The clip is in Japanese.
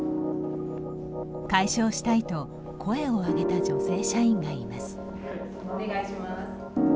解消したいと声を上げた女性社員がいます。